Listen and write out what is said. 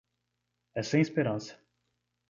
É sem esperança.